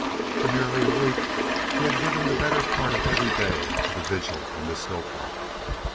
For nearly a week he had given the better part of every day to the vigil on this hilltop.